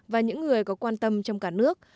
và những người có quan tâm trong cả nước